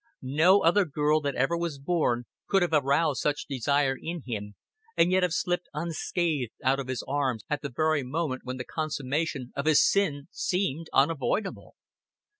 No other girl that ever was born could have aroused such desire in him, and yet have slipped unscathed out of his arms at the very moment when the consummation of his sin seemed unavoidable.